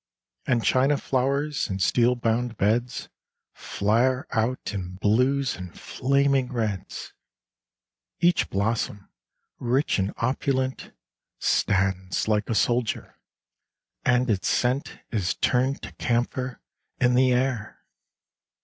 And china flowers, in steel bound beds. Flare out in blues and flaming reds ; Each blossom, rich and opulent, Stands like a soldier ; and its scent Is turned to camphor in the air.